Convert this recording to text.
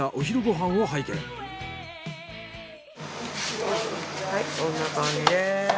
はいこんな感じです。